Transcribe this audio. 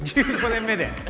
１５年目で？